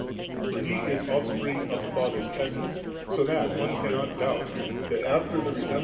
For He is Offspring of the Father's essence, so that one cannot doubt that after the resem